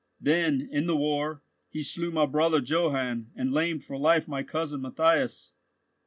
Then, in the war, he slew my brother Johann and lamed for life my cousin Matthias.